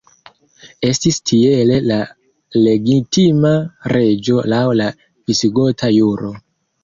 Estis tiele la legitima reĝo, laŭ la visigota juro.